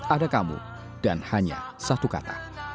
ada kamu dan hanya satu kata